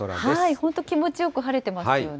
本当気持ちよく晴れてますよね。